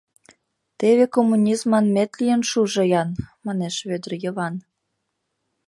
Теве коммунизм манмет лийын шужо-ян! — манеш Вӧдыр Йыван.